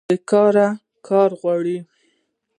بیکاري کار غواړي